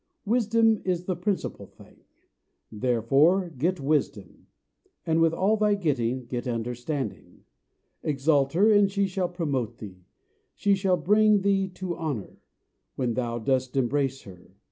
Wisdom is the principal thing; therefore get wisdom: and with all thy getting get understanding. Exalt her, and she shall promote thee: she shall bring thee to honour, when thou dost embrace her.